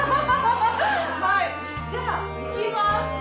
じゃいきます！